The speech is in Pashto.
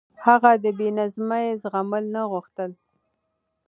هغه د بې نظمي زغمل نه غوښتل.